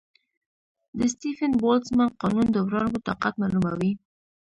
د سټیفن-بولټزمن قانون د وړانګو طاقت معلوموي.